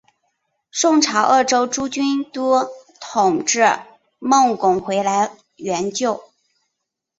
宋朝鄂州诸军都统制孟珙回来援救。